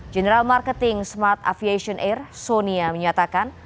general marketing smart aviation air sonia menyatakan